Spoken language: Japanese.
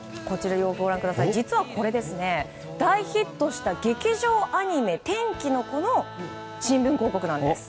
実はこれ、大ヒットした劇場アニメ「天気の子」の新聞広告なんです。